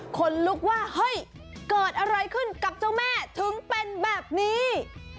คนลุกว่าเฮ้ยเกิดอะไรขึ้นกับเจ้าแม่ถึงเป็นแบบนี้